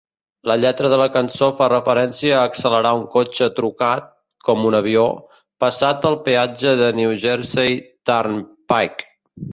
La lletra de la cançó fa referència a accelerar un cotxe trucat "com un avió" passat el peatge de New Jersey Turnpike.